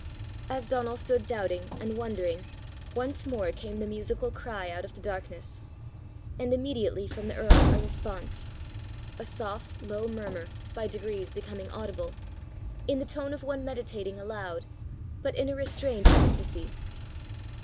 As Donal stood doubting and wondering, once more came the musical cry out of the darkness and immediately from the earl a response a soft, low murmur, by degrees becoming audible, in the tone of one meditating aloud, but in a restrained ecstacy.